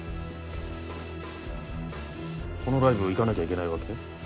このライブ行かなきゃいけないわけ？